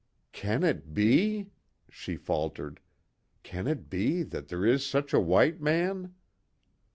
"Can it be?" she faltered, "Can it be that there is such a white man?"